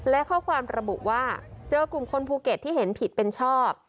และข้อความระบุว่าเจอกลุ่มคนภูเก็ตที่เห็นผิดเป็นชอบ